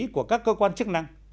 của các cơ quan chức năng